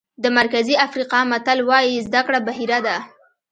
د مرکزي افریقا متل وایي زده کړه بحیره ده.